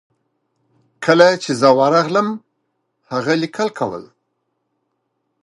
کله چې زه ورغلم هغه لیکل کول.